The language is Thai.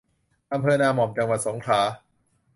อำเภอนาหม่อม จังหวัดสงขลา